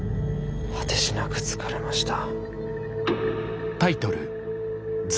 果てしなく疲れました。